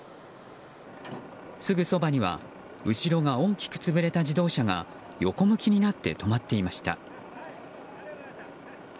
すぐそばには後ろが大きく潰れた自動車が横向きになって止まっていました。